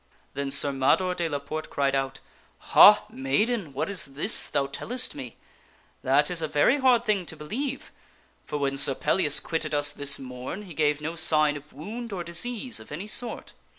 Then Sir Mador de la Porte cried out, "Ha ! maiden, what is this thou tellest me ? That is a very hard thing to believe ; for when Sir Pellias quitted us this morn he gave no sign of wound or disease of any sort."